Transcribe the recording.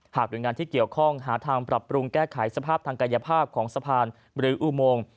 หน่วยงานที่เกี่ยวข้องหาทางปรับปรุงแก้ไขสภาพทางกายภาพของสะพานหรืออุโมง